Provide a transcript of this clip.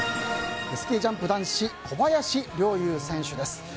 スキージャンプ男子小林陵侑選手です。